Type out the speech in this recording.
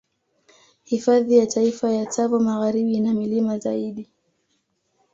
Hifadhi ya Taifa ya Tsavo Magharibi ina milima zaidi